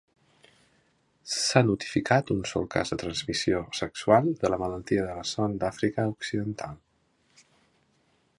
S'ha notificat un sol cas de transmissió sexual de la malaltia de la son d'Àfrica occidental.